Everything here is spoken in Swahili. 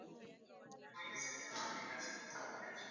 Hallelujah upewe sifa